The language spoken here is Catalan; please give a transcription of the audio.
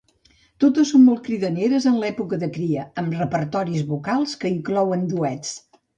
Totes són molt cridaneres en l'època de cria, amb repertoris vocals que inclouen duets.